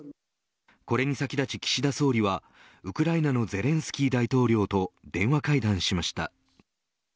これに先立ち、岸田総理はウクライナのゼレンスキー大統領と電話会談しました。